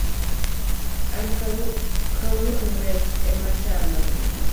An kawuono rech emechamo